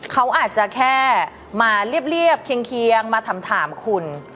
เขาอาจจะแค่มาเรียบเคียงมาถามคุณ